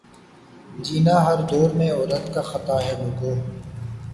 جینا ہر دور میں عورت کا خطا ہے لوگو